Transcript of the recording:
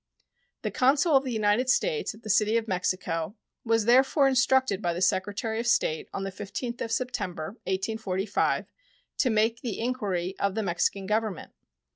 The consul of the United States at the City of Mexico was therefore instructed by the Secretary of State on the 15th of September, 1845, to make the inquiry of the Mexican Government.